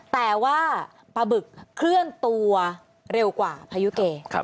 แต่ว่าปลาบึกเคลื่อนตัวเร็วกว่าพายุเก